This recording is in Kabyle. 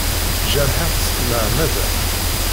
Jerḥeɣ-tt s tmeɛmada.